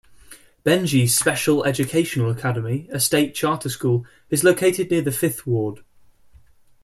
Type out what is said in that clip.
Benji's Special Educational Academy, a state charter school, is located near the Fifth Ward.